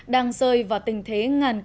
đang rơi vào tình thế ngàn cơ